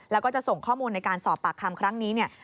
แล้วก็จะส่งข้อมูลในการสอบปากคำครั้งนี้เนี่ย